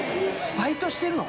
バイトしてるの？